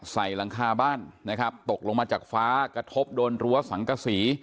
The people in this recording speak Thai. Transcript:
ใส่หลังคาบ้านตกลงมาจากฟ้ากระทบโดนรั้วสังกษี